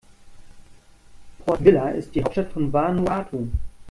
Port Vila ist die Hauptstadt von Vanuatu.